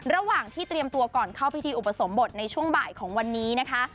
ระหว่างที่เตรียมตัวก่อนเข้าพิธีอุปสมบทในช่วงบ่ายของวันนี้นะคะ